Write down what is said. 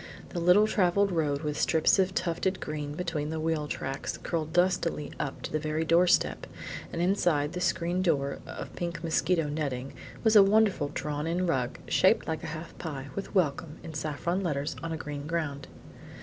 The little traveled road with strips of tufted green between the wheel tracks curled dustily up to the very doorstep, and inside the screen door of pink mosquito netting was a wonderful drawn in rug, shaped like a half pie, with "Welcome" in saffron letters on a green ground.